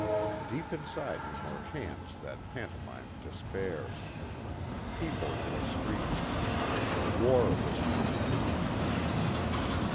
Deep inside him were hands that pantomimed despair. People in the streets. War was coming to them.